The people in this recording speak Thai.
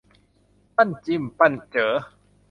ปั้นจิ้มปั้นเจ๋อ